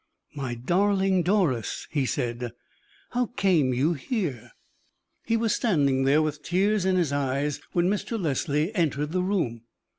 "My darling Doris," he said; "how came you here?" He was standing there, with tears in his eyes, when Mr. Leslie entered the room.